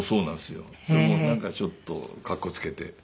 なんかちょっとかっこつけて。